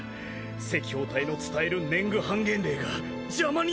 赤報隊の伝える年貢半減令が邪魔になったんだ！